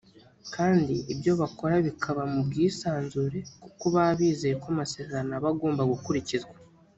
kandi ibyo bakora bikaba mu bwisanzure kuko baba bizeye ko amasezerano aba agomba gukurikizwa